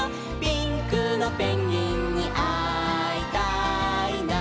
「ピンクのペンギンにあいたいな」